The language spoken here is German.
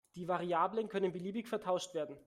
Die Variablen können beliebig vertauscht werden.